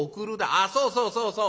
「ああそうそうそうそう。